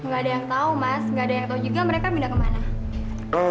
gak ada yang tau mas gak ada yang tau juga mereka pindah kemana